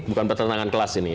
bukan pertentangan kelas ini